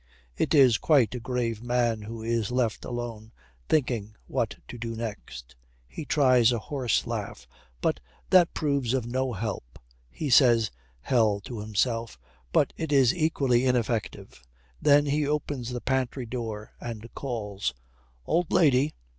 It is quite a grave man who is left alone, thinking what to do next. He tries a horse laugh, but that proves of no help. He says 'Hell!' to himself, but it is equally ineffective. Then he opens the pantry door and calls. 'Old lady.'